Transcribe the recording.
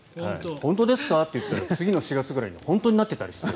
本当ですか？と言ったら次の４月ぐらいに本当になってたりする。